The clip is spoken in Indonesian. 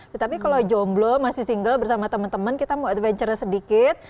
tetapi kalau jomblo masih single bersama teman teman kita mau adventure sedikit